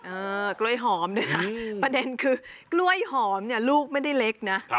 กล้วยหอมด้วยนะประเด็นคือกล้วยหอมเนี่ยลูกไม่ได้เล็กนะ